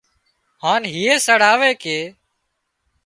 هانَ هيئي سڙاوي ڪي